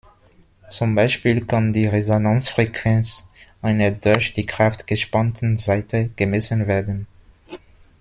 Zum Beispiel kann die Resonanzfrequenz einer durch die Kraft gespannten Saite gemessen werden.